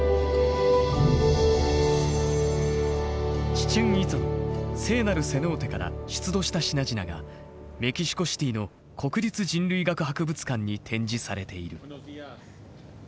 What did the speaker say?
チチェン・イツァの聖なるセノーテから出土した品々がメキシコシティの国立人類学博物館に展示されている。